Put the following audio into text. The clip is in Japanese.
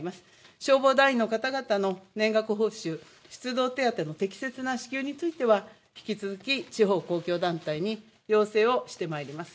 消防隊員の方々の年額報酬、出動手当の適切な支給については引き続き地方公共団体に要請をしてまいります。